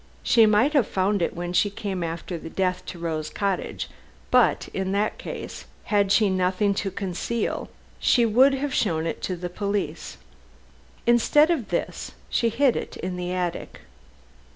She might have found it when she came after the death to Rose Cottage, but in that case, had she nothing to conceal, she would have shown it to the police. Instead of this, she hid it in the attic.